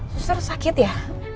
suster sakit ya